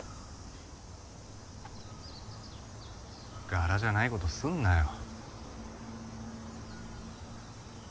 柄じゃないことすんなよ。